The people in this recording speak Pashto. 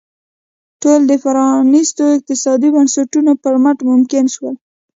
ټول د پرانیستو اقتصادي بنسټونو پر مټ ممکن شول.